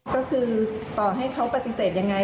ก็คือต่อให้เขาปฏิเสธยังไง